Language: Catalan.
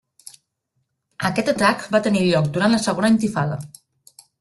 Aquest atac va tenir lloc durant la Segona Intifada.